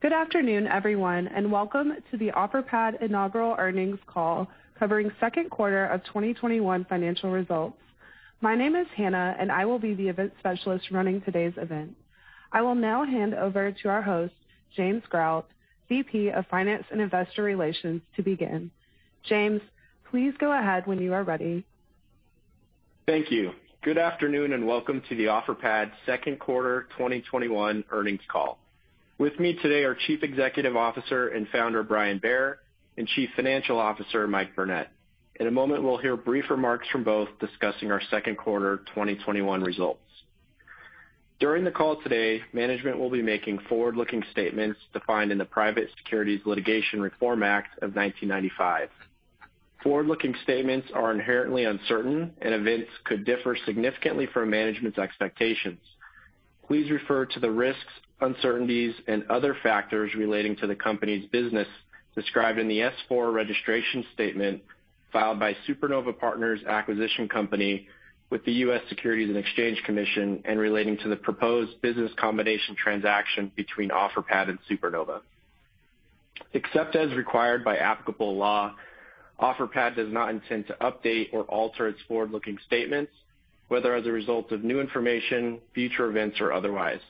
Good afternoon, everyone, and welcome to the Offerpad Inaugural Earnings Call covering second quarter of 2021 financial results. My name is Hannah. I will be the event specialist running today's event. I will now hand over to our host, James Grout, VP of Finance and Investor Relations, to begin. James, please go ahead when you are ready. Thank you. Good afternoon, welcome to the Offerpad second quarter 2021 earnings call. With me today are Chief Executive Officer and Founder, Brian Bair, and Chief Financial Officer, Mike Burnett. In a moment, we'll hear brief remarks from both discussing our second quarter 2021 results. During the call today, management will be making forward-looking statements defined in the Private Securities Litigation Reform Act of 1995. Forward-looking statements are inherently uncertain and events could differ significantly from management's expectations. Please refer to the risks, uncertainties, and other factors relating to the company's business described in the Form S-4 registration statement filed by Supernova Partners Acquisition Company with the U.S. Securities and Exchange Commission and relating to the proposed business combination transaction between Offerpad and Supernova. Except as required by applicable law, Offerpad does not intend to update or alter its forward-looking statements, whether as a result of new information, future events, or otherwise.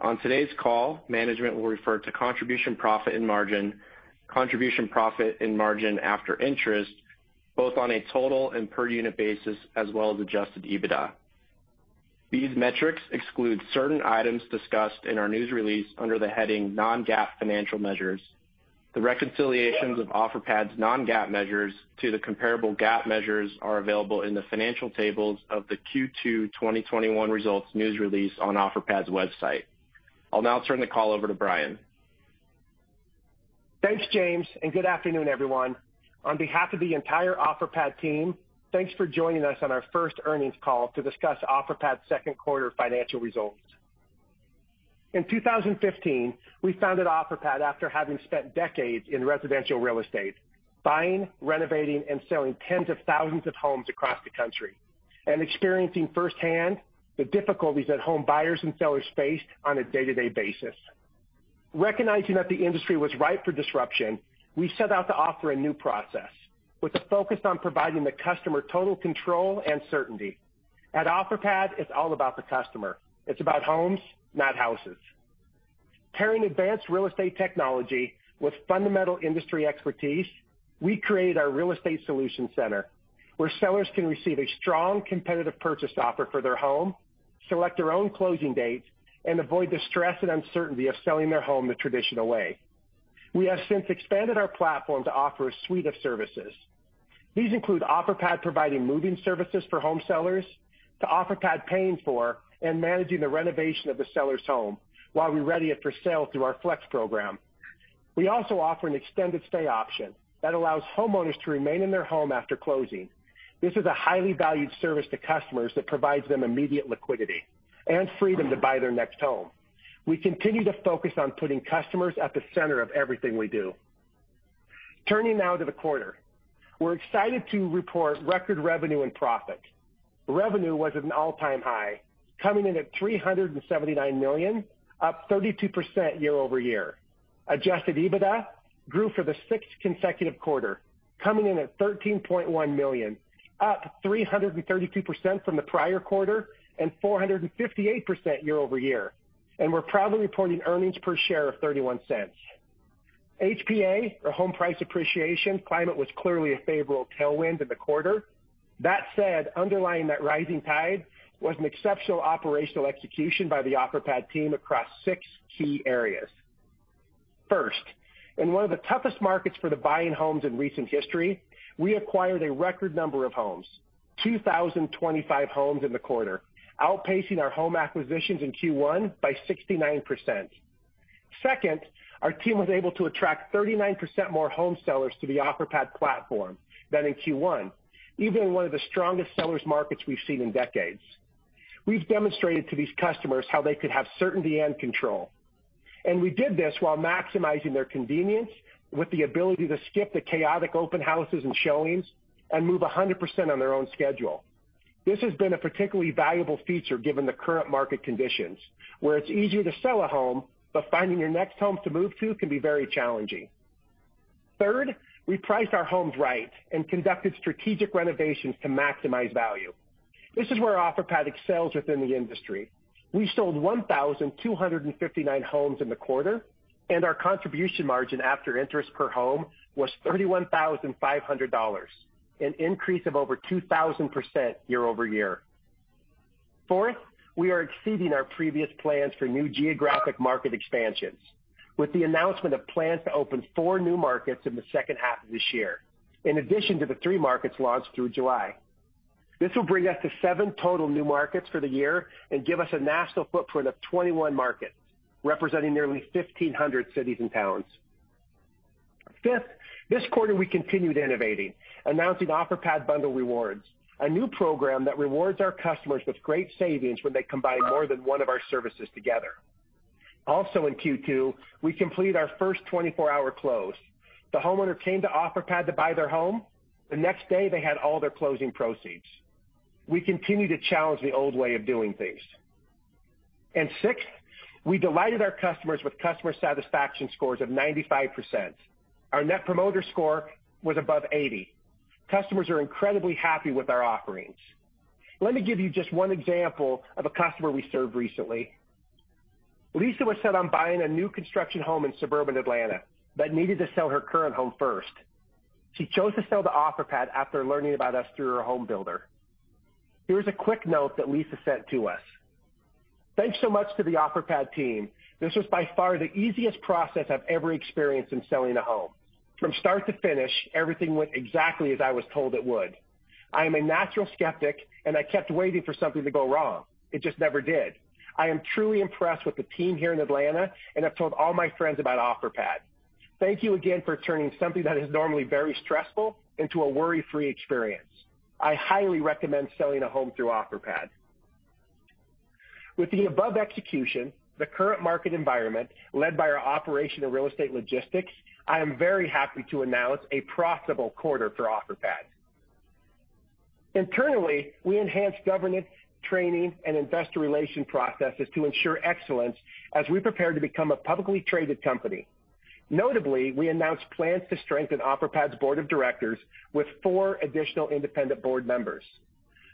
On today's call, management will refer to contribution profit and margin, contribution profit and margin after interest, both on a total and per unit basis, as well as adjusted EBITDA. These metrics exclude certain items discussed in our news release under the heading Non-GAAP Financial Measures. The reconciliations of Offerpad's non-GAAP measures to the comparable GAAP measures are available in the financial tables of the Q2 2021 results news release on Offerpad's website. I'll now turn the call over to Brian. Thanks, James, and good afternoon, everyone. On behalf of the entire Offerpad team, thanks for joining us on our first earnings call to discuss Offerpad's second quarter financial results. In 2015, we founded Offerpad after having spent decades in residential real estate, buying, renovating, and selling tens of thousands of homes across the country and experiencing firsthand the difficulties that home buyers and sellers face on a day-to-day basis. Recognizing that the industry was ripe for disruption, we set out to offer a new process with a focus on providing the customer total control and certainty. At Offerpad, it's all about the customer. It's about homes, not houses. Pairing advanced real estate technology with fundamental industry expertise, we created our Real Estate Solutions Center, where sellers can receive a strong competitive purchase offer for their home, select their own closing date, and avoid the stress and uncertainty of selling their home the traditional way. We have since expanded our platform to offer a suite of services. These include Offerpad providing moving services for home sellers to Offerpad paying for and managing the renovation of the seller's home while we ready it for sale through our Flex program. We also offer an extended stay option that allows homeowners to remain in their home after closing. This is a highly valued service to customers that provides them immediate liquidity and freedom to buy their next home. We continue to focus on putting customers at the center of everything we do. Turning now to the quarter. We're excited to report record revenue and profit. Revenue was at an all-time high, coming in at $379 million, up 32% year-over-year. Adjusted EBITDA grew for the sixth consecutive quarter, coming in at $13.1 million, up 332% from the prior quarter and 458% year-over-year. We're proudly reporting earnings per share of $0.31. HPA, or home price appreciation, climate was clearly a favorable tailwind in the quarter. That said, underlying that rising tide was an exceptional operational execution by the Offerpad team across six key areas. First, in one of the toughest markets for the buying homes in recent history, we acquired a record number of homes, 2,025 homes in the quarter, outpacing our home acquisitions in Q1 by 69%. Second, our team was able to attract 39% more home sellers to the Offerpad platform than in Q1, even in one of the strongest sellers markets we've seen in decades. We've demonstrated to these customers how they could have certainty and control, and we did this while maximizing their convenience with the ability to skip the chaotic open houses and showings and move 100% on their own schedule. This has been a particularly valuable feature given the current market conditions, where it's easier to sell a home, but finding your next home to move to can be very challenging. Third, we priced our homes right and conducted strategic renovations to maximize value. This is where Offerpad excels within the industry. We sold 1,259 homes in the quarter, and our contribution margin after interest per home was $31,500, an increase of over 2,000% year-over-year. Fourth, we are exceeding our previous plans for new geographic market expansions with the announcement of plans to open four new markets in the second half of this year, in addition to the three markets launched through July. This will bring us to seven total new markets for the year and give us a national footprint of 21 markets, representing nearly 1,500 cities and towns. Fifth, this quarter, we continued innovating, announcing Offerpad Bundle Rewards, a new program that rewards our customers with great savings when they combine more than one of our services together. Also in Q2, we completed our first 24-hour close. The homeowner came to Offerpad to buy their home. The next day, they had all their closing proceeds. We continue to challenge the old way of doing things. Sixth, we delighted our customers with customer satisfaction scores of 95%. Our Net Promoter Score was above 80. Customers are incredibly happy with our offerings. Let me give you just one example of a customer we served recently. Lisa was set on buying a new construction home in suburban Atlanta, but needed to sell her current home first. She chose to sell to Offerpad after learning about us through her home builder. Here is a quick note that Lisa sent to us. "Thanks so much to the Offerpad team. This was by far the easiest process I've ever experienced in selling a home. From start to finish, everything went exactly as I was told it would. I am a natural skeptic, and I kept waiting for something to go wrong. It just never did. I am truly impressed with the team here in Atlanta, and I've told all my friends about Offerpad. Thank you again for turning something that is normally very stressful into a worry-free experience. I highly recommend selling a home through Offerpad. With the above execution, the current market environment, led by our operation of real estate logistics, I am very happy to announce a profitable quarter for Offerpad. Internally, we enhanced governance, training, and investor relations processes to ensure excellence as we prepare to become a publicly traded company. Notably, we announced plans to strengthen Offerpad's board of directors with four additional independent board members.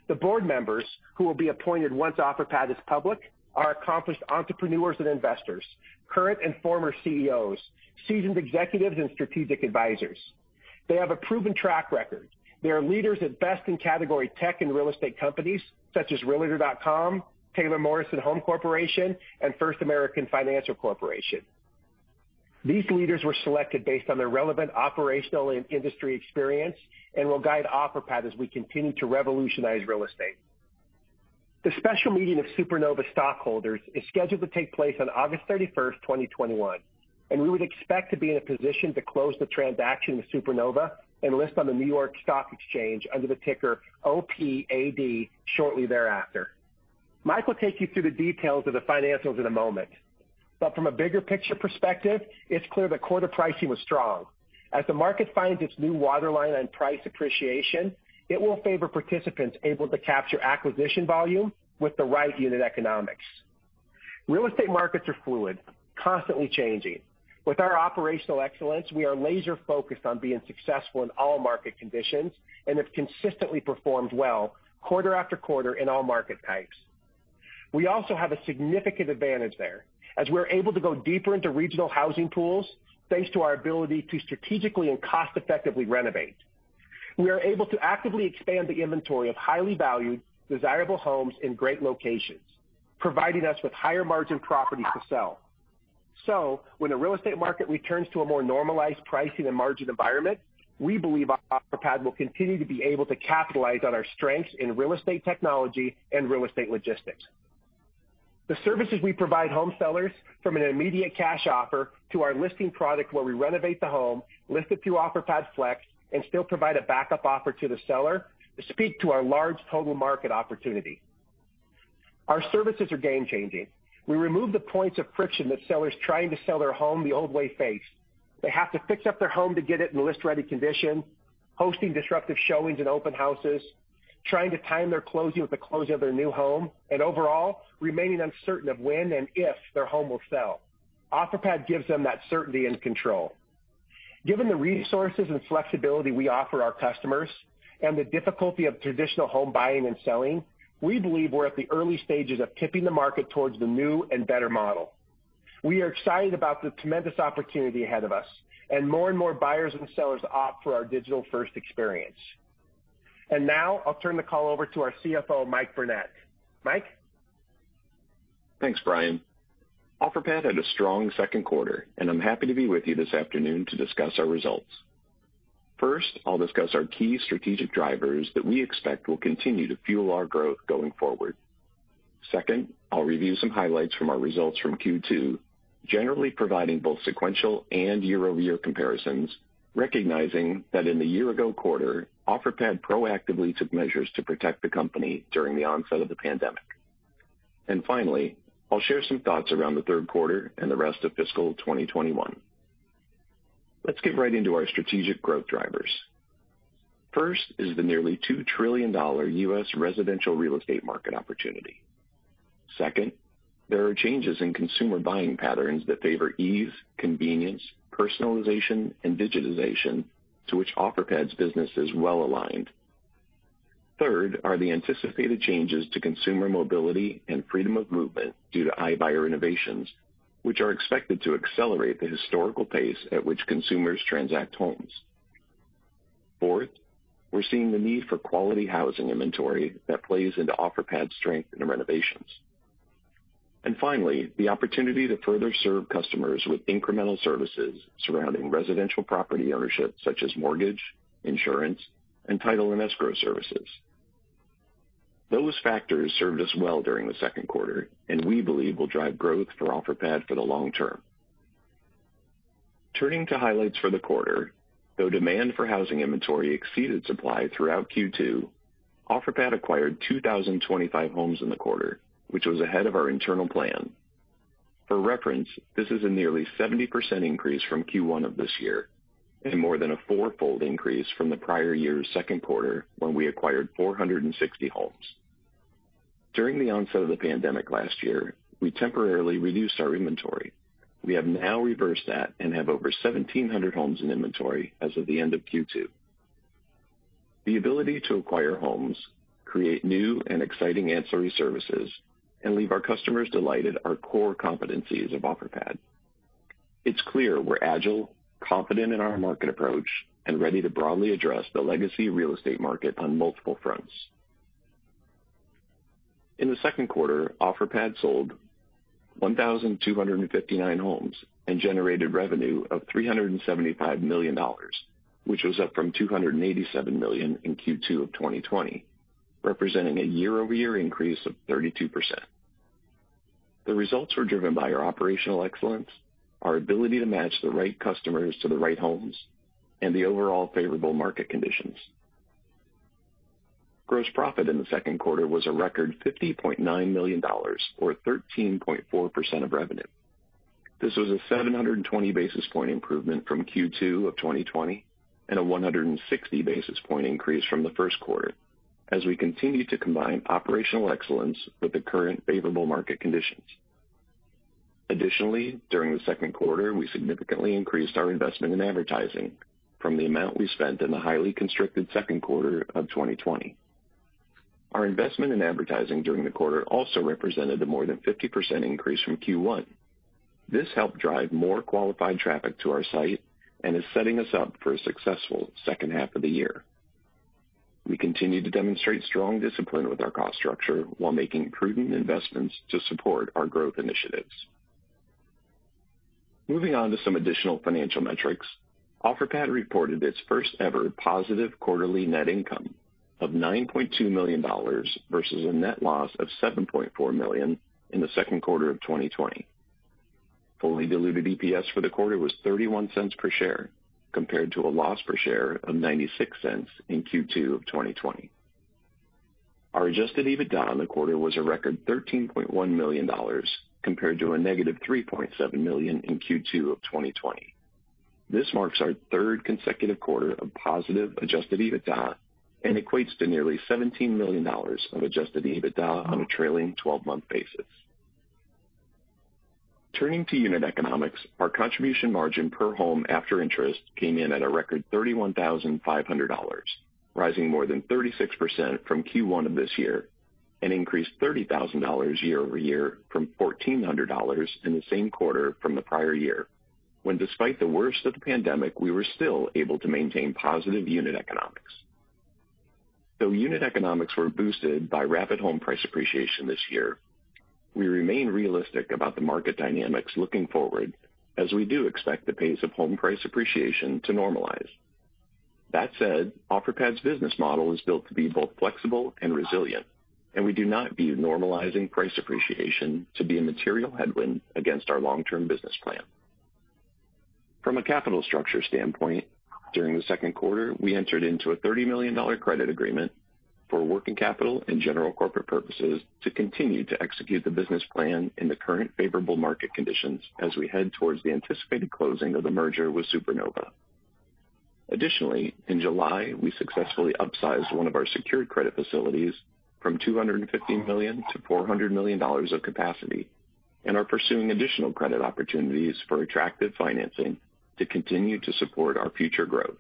The board members, who will be appointed once Offerpad is public, are accomplished entrepreneurs and investors, current and former CEOs, seasoned executives, and strategic advisors. They have a proven track record. They are leaders at best-in-category tech and real estate companies such as realtor.com, Taylor Morrison Home Corporation, and First American Financial Corporation. These leaders were selected based on their relevant operational and industry experience and will guide Offerpad as we continue to revolutionize real estate. The special meeting of Supernova stockholders is scheduled to take place on August 31st, 2021. We would expect to be in a position to close the transaction with Supernova and list on the New York Stock Exchange under the ticker OPAD shortly thereafter. Mike will take you through the details of the financials in a moment. From a bigger picture perspective, it's clear that quarter pricing was strong. As the market finds its new waterline on price appreciation, it will favor participants able to capture acquisition volume with the right unit economics. Real estate markets are fluid, constantly changing. With our operational excellence, we are laser-focused on being successful in all market conditions and have consistently performed well quarter after quarter in all market types. We also have a significant advantage there, as we're able to go deeper into regional housing pools, thanks to our ability to strategically and cost-effectively renovate. We are able to actively expand the inventory of highly valued, desirable homes in great locations, providing us with higher margin properties to sell. When the real estate market returns to a more normalized pricing and margin environment, we believe Offerpad will continue to be able to capitalize on our strengths in real estate technology and real estate logistics. The services we provide home sellers, from an immediate cash offer to our listing product where we renovate the home, list it through Offerpad Flex, and still provide a backup offer to the seller, speak to our large total market opportunity. Our services are game-changing. We remove the points of friction that sellers trying to sell their home the old way face. They have to fix up their home to get it in list-ready condition, hosting disruptive showings and open houses, trying to time their closing with the closing of their new home, and overall, remaining uncertain of when and if their home will sell. Offerpad gives them that certainty and control. Given the resources and flexibility we offer our customers and the difficulty of traditional home buying and selling, we believe we're at the early stages of tipping the market towards the new and better model. We are excited about the tremendous opportunity ahead of us and more and more buyers and sellers opt for our digital-first experience. Now, I'll turn the call over to our CFO, Mike Burnett. Mike? Thanks, Brian. Offerpad had a strong second quarter, and I'm happy to be with you this afternoon to discuss our results. First, I'll discuss our key strategic drivers that we expect will continue to fuel our growth going forward. Second, I'll review some highlights from our results from Q2, generally providing both sequential and year-over-year comparisons, recognizing that in the year-ago quarter, Offerpad proactively took measures to protect the company during the onset of the pandemic. Finally, I'll share some thoughts around the third quarter and the rest of fiscal 2021. Let's get right into our strategic growth drivers. First is the nearly $2 trillion U.S. residential real estate market opportunity. Second, there are changes in consumer buying patterns that favor ease, convenience, personalization, and digitization to which Offerpad's business is well-aligned. Third are the anticipated changes to consumer mobility and freedom of movement due to iBuyer innovations, which are expected to accelerate the historical pace at which consumers transact homes. Fourth, we're seeing the need for quality housing inventory that plays into Offerpad's strength in renovations. Finally, the opportunity to further serve customers with incremental services surrounding residential property ownership, such as mortgage, insurance, and title and escrow services. Those factors served us well during the second quarter and we believe will drive growth for Offerpad for the long term. Turning to highlights for the quarter, though demand for housing inventory exceeded supply throughout Q2, Offerpad acquired 2,025 homes in the quarter, which was ahead of our internal plan. For reference, this is a nearly 70% increase from Q1 of this year and more than a four-fold increase from the prior year's second quarter when we acquired 460 homes. During the onset of the pandemic last year, we temporarily reduced our inventory. We have now reversed that and have over 1,700 homes in inventory as of the end of Q2. The ability to acquire homes, create new and exciting ancillary services, and leave our customers delighted are core competencies of Offerpad. It's clear we're agile, confident in our market approach, and ready to broadly address the legacy real estate market on multiple fronts. In the second quarter, Offerpad sold 1,259 homes and generated revenue of $375 million, which was up from $287 million in Q2 of 2020, representing a year-over-year increase of 32%. The results were driven by our operational excellence, our ability to match the right customers to the right homes, and the overall favorable market conditions. Gross profit in the second quarter was a record $50.9 million, or 13.4% of revenue. This was a 720-basis point improvement from Q2 of 2020 and a 160 basis point increase from the first quarter as we continue to combine operational excellence with the current favorable market conditions. Additionally, during the second quarter, we significantly increased our investment in advertising from the amount we spent in the highly constricted second quarter of 2020. Our investment in advertising during the quarter also represented a more than 50% increase from Q1. This helped drive more qualified traffic to our site and is setting us up for a successful second half of the year. We continue to demonstrate strong discipline with our cost structure while making prudent investments to support our growth initiatives. Moving on to some additional financial metrics, Offerpad reported its first-ever positive quarterly net income of $9.2 million versus a net loss of $7.4 million in the second quarter of 2020. Fully diluted EPS for the quarter was $0.31 per share, compared to a loss per share of $0.96 in Q2 of 2020. Our adjusted EBITDA on the quarter was a record $13.1 million, compared to a negative $3.7 million in Q2 of 2020. This marks our third consecutive quarter of positive adjusted EBITDA and equates to nearly $17 million of adjusted EBITDA on a trailing 12-month basis. Turning to unit economics, our contribution margin per home after interest came in at a record $31,500, rising more than 36% from Q1 of this year and increased $30,000 year-over-year from $1,400 in the same quarter from the prior year, when despite the worst of the pandemic, we were still able to maintain positive unit economics. Though unit economics were boosted by rapid home price appreciation this year, we remain realistic about the market dynamics looking forward, as we do expect the pace of home price appreciation to normalize. That said, Offerpad's business model is built to be both flexible and resilient, and we do not view normalizing price appreciation to be a material headwind against our long-term business plan. From a capital structure standpoint, during the second quarter, we entered into a $30 million credit agreement for working capital and general corporate purposes to continue to execute the business plan in the current favorable market conditions as we head towards the anticipated closing of the merger with Supernova. Additionally, in July, we successfully upsized one of our secured credit facilities from $250 million-$400 million of capacity and are pursuing additional credit opportunities for attractive financing to continue to support our future growth.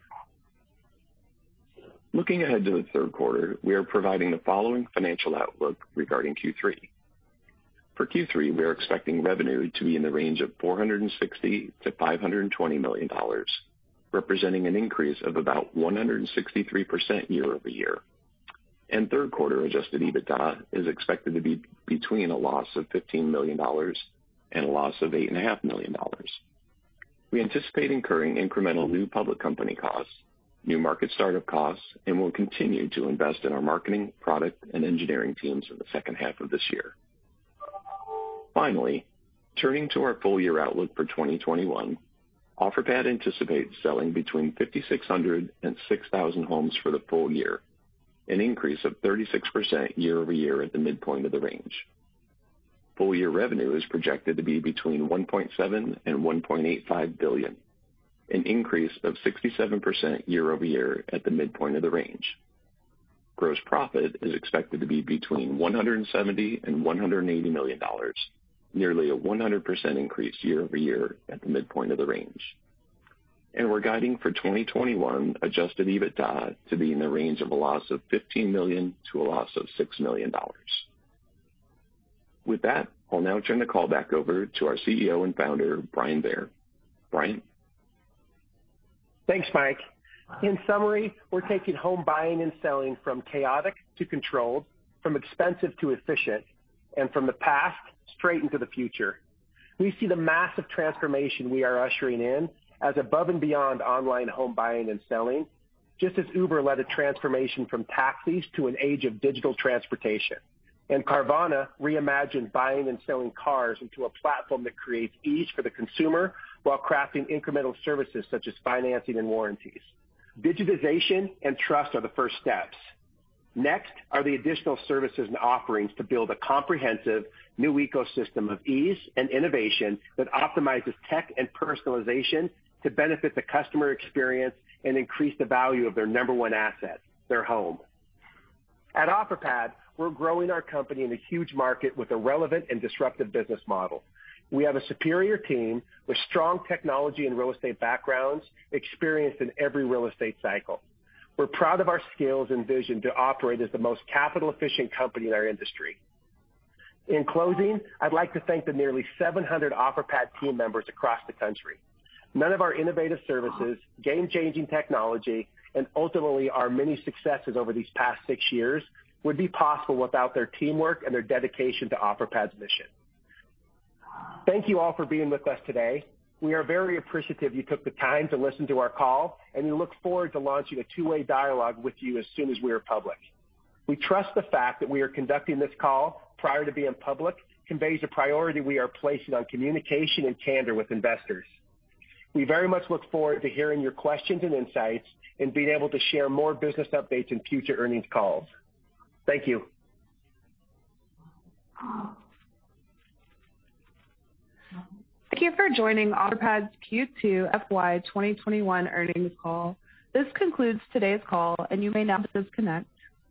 Looking ahead to the third quarter, we are providing the following financial outlook regarding Q3. For Q3, we are expecting revenue to be in the range of $460 million-$520 million, representing an increase of about 163% year-over-year. Third quarter adjusted EBITDA is expected to be between a loss of $15 million and a loss of $8.5 million. We anticipate incurring incremental new public company costs, new market startup costs, and will continue to invest in our marketing, product, and engineering teams in the second half of this year. Finally, turning to our full-year outlook for 2021, Offerpad anticipates selling between 5,600 and 6,000 homes for the full year, an increase of 36% year-over-year at the midpoint of the range. Full-year revenue is projected to be between $1.7 billion-$1.85 billion, an increase of 67% year-over-year at the midpoint of the range. Gross profit is expected to be between $170 million and $180 million, nearly a 100% increase year-over-year at the midpoint of the range. We're guiding for 2021 adjusted EBITDA to be in the range of a loss of $15 million to a loss of $6 million. With that, I'll now turn the call back over to our CEO and Founder, Brian Bair. Brian? Thanks, Mike. In summary, we're taking home buying and selling from chaotic to controlled, from expensive to efficient, and from the past straight into the future. We see the massive transformation we are ushering in as above and beyond online home buying and selling, just as Uber led a transformation from taxis to an age of digital transportation, and Carvana reimagined buying and selling cars into a platform that creates ease for the consumer while crafting incremental services such as financing and warranties. Digitization and trust are the first steps. Next are the additional services and offerings to build a comprehensive new ecosystem of ease and innovation that optimizes tech and personalization to benefit the customer experience and increase the value of their number one asset, their home. At Offerpad, we're growing our company in a huge market with a relevant and disruptive business model. We have a superior team with strong technology and real estate backgrounds, experienced in every real estate cycle. We're proud of our skills and vision to operate as the most capital-efficient company in our industry. In closing, I'd like to thank the nearly 700 Offerpad team members across the country. None of our innovative services, game-changing technology, and ultimately our many successes over these past six years would be possible without their teamwork and their dedication to Offerpad's mission. Thank you all for being with us today. We are very appreciative you took the time to listen to our call, and we look forward to launching a two-way dialogue with you as soon as we are public. We trust the fact that we are conducting this call prior to being public conveys the priority we are placing on communication and candor with investors. We very much look forward to hearing your questions and insights and being able to share more business updates in future earnings calls. Thank you. Thank you for joining Offerpad's Q2 FY 2021 earnings call. This concludes today's call, and you may now disconnect.